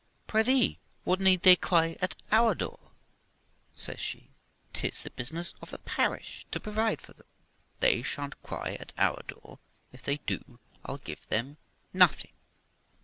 j ' Prithee, what need they cry at our door ?' says she. '"Tis the business of the parish to provide for them ; they shan't cry at our door. If they do, I'll give them nothing.'